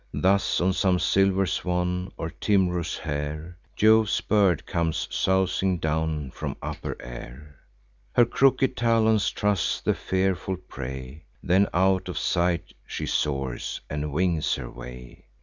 Thus on some silver swan, or tim'rous hare, Jove's bird comes sousing down from upper air; Her crooked talons truss the fearful prey: Then out of sight she soars, and wings her way.